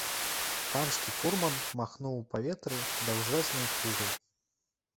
Панскі фурман махнуў у паветры даўжэзнай пугай.